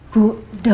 bu dausah ya bu